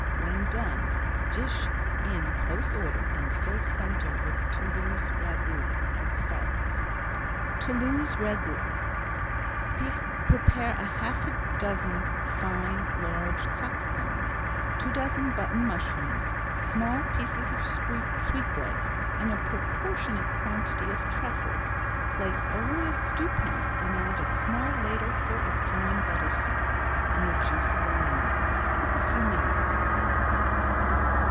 When done dish in close order and fill center with Toulouse Ragout, as follows: Toulouse Ragout Prepare half a dozen fine, large cockscombs, two dozen button mushrooms, small pieces of sweetbreads and a proportionate quantity of truffles. Place all in a stewpan and add a small ladleful of drawn butter sauce, and the juice of a lemon. Cook a few minutes.